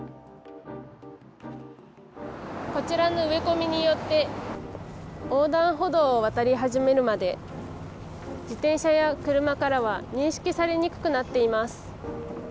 こちらの植え込みによって横断歩道を渡り始めるまで自転車や車などからは認識されにくくなっています。